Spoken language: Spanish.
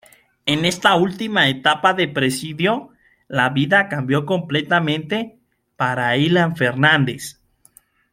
En esta última etapa de presidio, la vida cambió completamente para Ilan Fernández.